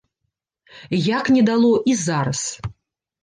Як не дало і зараз.